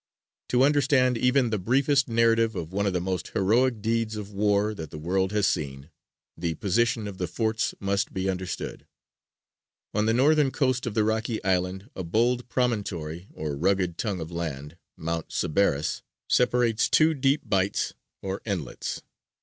To understand even the briefest narrative of one of the most heroic deeds of war that the world has seen, the position of the forts must be understood. (See the Plan.) On the northern coast of the rocky island a bold promontory or rugged tongue of land, Mount Sceberras, separates two deep bights or inlets.